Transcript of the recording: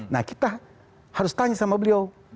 nah kita harus tanya sama beliau